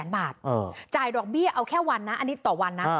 บาทจ่ายดอกเบี้ยเอาแค่วันนะอันนี้ต่อวันนะ